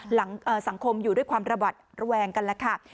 หลังสังคมอยู่ด้วยความระวัตรแวงกันครับ